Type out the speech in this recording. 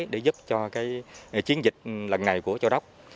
để giúp cho chiến dịch lần này của châu đốc